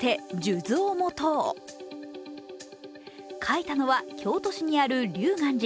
書いたのは京都市にある龍岸寺。